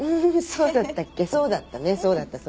そうだったそうだった。